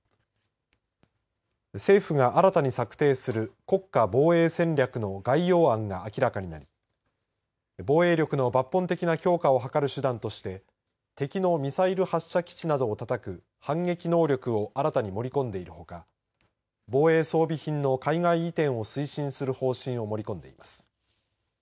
政府が新たに策定する国家防衛戦略の概要案が明らかになり、防衛力の抜本的な強化を図る手段として、敵のミサイル発射基地などをたたく反撃能力を新たに盛り込んでいるほか、防衛装備品の海外移転を推進する方針を盛り込んでいます。